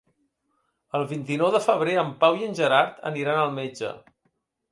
El vint-i-nou de febrer en Pau i en Gerard aniran al metge.